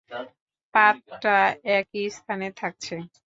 পাতটা একই স্থানে থাকছে।